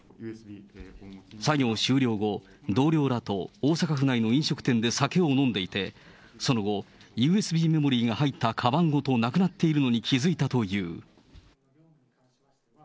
作業終了後、同僚らと大阪府内の飲食店で酒を飲んでいて、その後、ＵＳＢメモリーが入ったかばんごとなくなっているのに気付いたという。